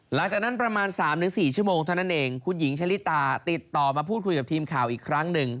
หลังจากนั้นประมาณ๓๔ชั่วโมงเท่านั้นเองคุณหญิงชะลิตาติดต่อมาพูดคุยกับทีมข่าวอีกครั้งหนึ่ง